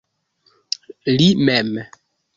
Li mem.